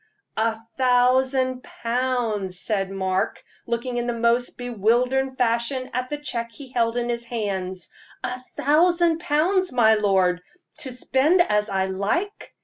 "A thousand pounds!" said Mark, looking in the most bewildered fashion at the check he held in his hand "a thousand pounds, my lord, to spend as I like!